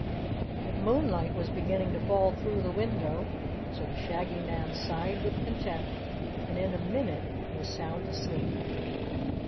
But moonlight was beginning to fall through the window, so the Shaggy Man sighed with content and in a minute was sound asleep.